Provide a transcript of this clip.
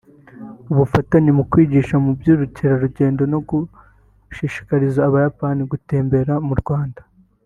ubufatanye mu kwigisha iby’ubukerarugendo no gushishikariza Abayapani gutemberera mu Rwanda